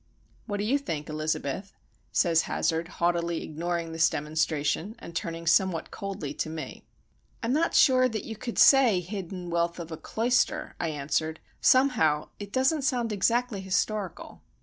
"What do you think, Elizabeth?" says Hazard, haughtily ignoring this demonstration, and turning somewhat coldly to me. "I'm not sure that you could say hidden wealth of a 'cloister,'" I answered. "Somehow it doesn't sound exactly historical."